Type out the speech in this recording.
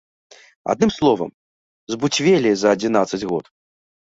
Адным словам, збуцвелі за адзінаццаць год.